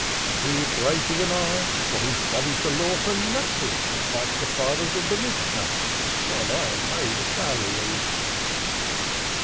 He is greater than I, for he studies the law for nothing like the fathers of the Mishna while I am paid a salary."